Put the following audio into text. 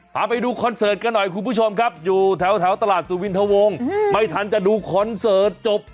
พาไปดูคอนเสิร์ตกันหน่อยคุณผู้ชมครับอยู่แถวตลาดสุวินทะวงไม่ทันจะดูคอนเสิร์ตจบ